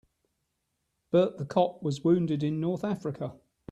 Bert the cop was wounded in North Africa.